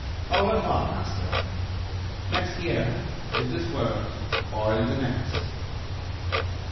"Au revoir, master; next year, in this world or in the next."